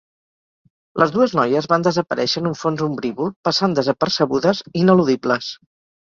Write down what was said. Les dues noies van desaparèixer en un fons ombrívol, passant desapercebudes, ineludibles.